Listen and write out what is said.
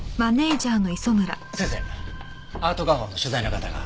先生『アート画報』の取材の方がお待ちです。